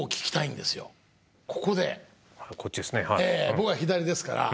僕は左ですから。